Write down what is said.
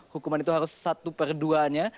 hukuman itu harus satu per dua nya